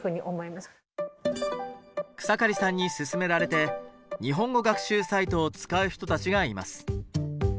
草刈さんに薦められて日本語学習サイトを使う人たちがいます。